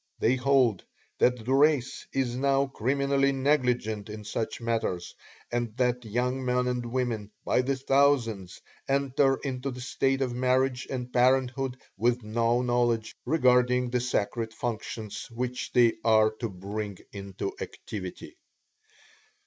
They hold that the race is now criminally negligent in such matters, and that young men and women, by the thousands, enter into the state of marriage and parenthood with no knowledge regarding the sacred functions which they are to bring into activity.